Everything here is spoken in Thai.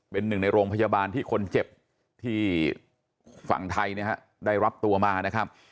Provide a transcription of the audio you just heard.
เป็นหนึ่งในโรงพยาบาลที่คนเจ็บที่ฝั่งไทยนะฮะได้รับตัวมานะครับ